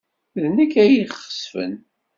D nekk ay ixesfen.